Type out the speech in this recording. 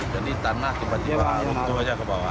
jadi tanah tiba tiba runtuh saja ke bawah